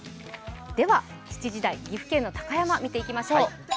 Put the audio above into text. ７時台、岐阜県の高山見ていきましょう。